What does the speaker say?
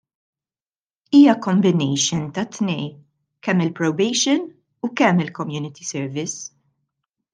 Hija combination ta' tnejn, kemm il-probation u kemm il-community service.